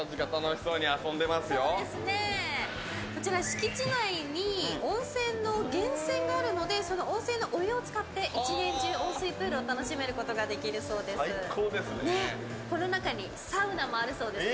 敷地内に温泉の源泉があるのでその温泉のお湯を使って一年中温泉プールが楽しめるんだそうです。